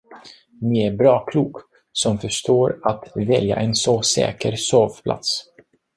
Ni är bra klok, som förstår att välja en så säker sovplats.